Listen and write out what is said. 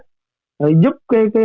giúp cái hội đồng giáo phẩm